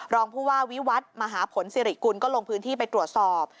รองผู้ว่าวิวัตรมหาผลสิริกุลก็ลงพื้นที่ไปตรวจสอบ